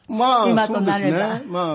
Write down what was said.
今となれば。